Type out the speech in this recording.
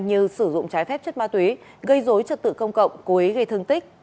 như sử dụng trái phép chất ma túy gây dối trật tự công cộng cố ý gây thương tích